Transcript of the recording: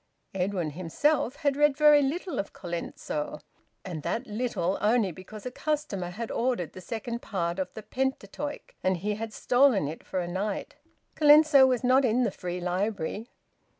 Edwin himself had read very little of Colenso and that little only because a customer had ordered the second part of the "Pentateuch" and he had stolen it for a night. Colenso was not in the Free Library...